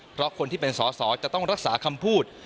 เพราะคนที่เป็นสอสอจะต้องรักษาคำพูด